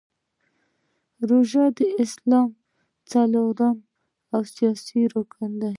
روژه د اسلام څلورم او اساسې رکن دی .